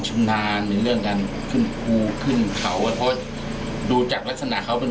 ชื่นทางในเรื่องการขึ้นครูขึ้นเขาดูจากลักษณะเขาเป็น